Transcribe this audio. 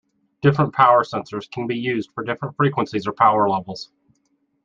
Different power sensors can be used for different frequencies or power levels.